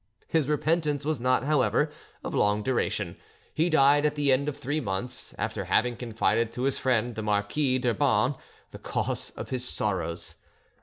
His repentance was not, however, of long duration; he died at the end of three months, after having confided to his friend, the Marquis d'Urban, the cause of his sorrows.